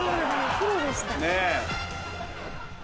プロでした。ねぇ。